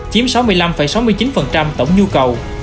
chiếm sáu mươi năm sáu mươi chín tổng nhu cầu